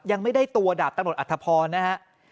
ยังไม่ได้ตัวดาบตำรวจอัธพรนะฮะ